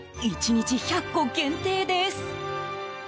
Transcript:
１日１００個限定です。